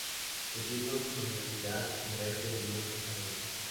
Sus hijos se convertirán en raíces de nuevos árboles.